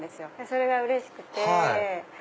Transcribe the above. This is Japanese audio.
それがうれしくて。